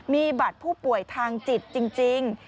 มีบัตรผู้ป่วยทางจิตจริง